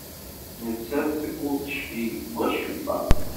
Nettat ur d-teclig deg wacemma.